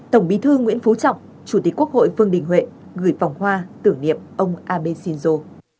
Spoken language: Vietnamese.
tổng bí thư nguyễn phú trọng chủ tịch quốc hội vương đình huệ gửi vòng hoa tưởng niệm ông abe shinzo